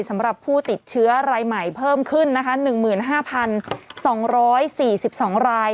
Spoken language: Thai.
สำหรับผู้ติดเชื้อรายใหม่เพิ่มขึ้นนะคะ๑๕๒๔๒ราย